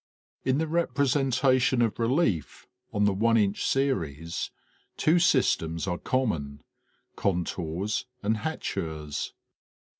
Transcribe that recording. In the representation of relief on the one inch series, two sys tems are common, contours and hachures.